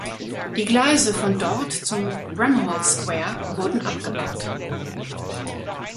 Die Gleise von dort zum Bramhall Square wurden abgebaut.